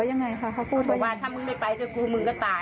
พี่ชาวบ้านบอกว่าเม็ดไหม